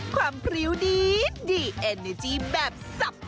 ความพริ้วดีดีเอ็นเนอร์จี้แบบสับ